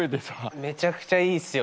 めちゃくちゃいいっすよ